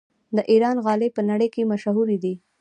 د ایران غالۍ په نړۍ کې مشهورې دي.